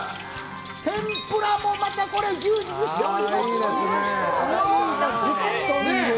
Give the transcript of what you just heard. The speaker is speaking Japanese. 天ぷらもまた充実しております！